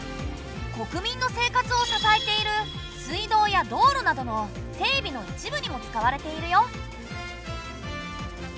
国民の生活を支えている水道や道路などの整備の一部にも使われているよ。